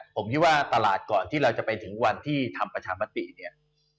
ผมคิดว่าตลาดก่อนที่เราจะไปถึงวันที่ทำประชามติเนี่ย